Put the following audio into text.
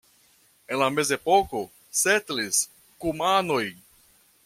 En la mezepoko setlis kumanoj.